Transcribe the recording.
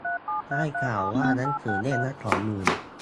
ได้ข่าวว่าหนังสือเล่มละสองหมื่น